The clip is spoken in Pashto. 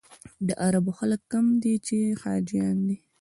د عربو خلک کم دي چې حاجیان دي.